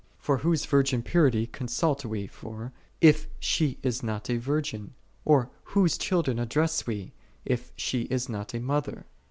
For whose virgin purity consult we for, if she is not a virgin ? or whose children address we, if she is not a mother?